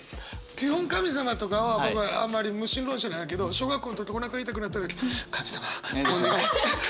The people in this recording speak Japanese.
基本神様とかは僕あんまり無神論者だけど小学校の時おなか痛くなった時神様お願い。